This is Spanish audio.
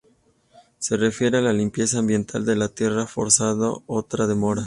Se refiere a la limpieza ambiental de la tierra forzado otra demora.